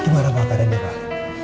gimana papa kedengaran